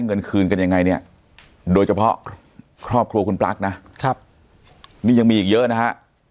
เงินคืนกันยังไงเนี่ยโดยเฉพาะครอบครัวคุณปลั๊กนะครับนี่ยังมีอีกเยอะนะฮะ